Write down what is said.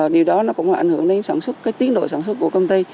điều đó nó cũng ảnh hưởng đến sản xuất cái tiến độ sản xuất của công ty